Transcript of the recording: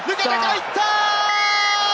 いった！